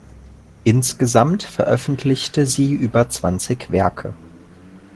Insgesamt veröffentlichte sie über zwanzig Werke.